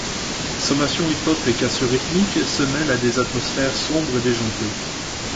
Sommations hip hop et cassures rythmiques se mêlent à des atmosphères sombres et déjantées.